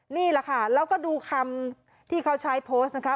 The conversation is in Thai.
นี่แหละค่ะแล้วก็ดูคำที่เขาใช้โพสต์นะคะ